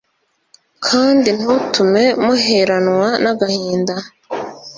kandi ntutume muheranwe nagahinda